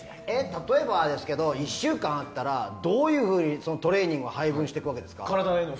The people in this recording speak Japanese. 例えばですけど１週間あったらどういうふうにトレーニングを配分していくんですか。